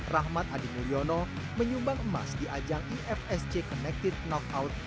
rahmat adi mulyono menyumbang emas di ajang ifsc connected knockout